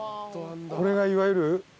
これがいわゆる。